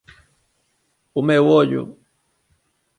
O meu ollo.